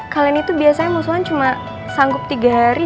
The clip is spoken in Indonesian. kalian itu biasanya muswan cuma sanggup tiga hari